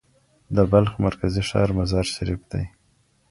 د بلخ مرکزي ښار مزار شریف دی.